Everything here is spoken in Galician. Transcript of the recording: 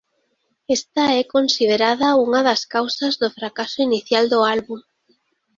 Esta é considerada unha das causas do fracaso inicial do álbum.